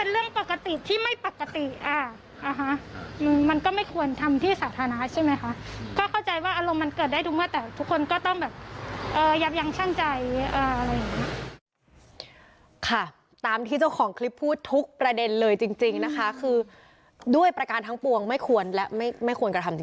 เอ่อยับยังชั่นใจเอ่ออะไรอย่างนี้